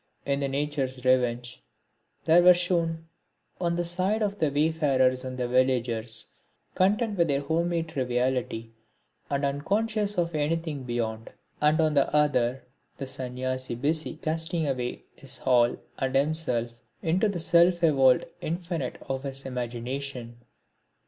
In the Nature's Revenge there were shown on the one side the wayfarers and the villagers, content with their home made triviality and unconscious of anything beyond; and on the other the Sanyasi busy casting away his all, and himself, into the self evolved infinite of his imagination.